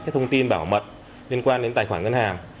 thông tin bảo mật liên quan đến tài khoản ngân hàng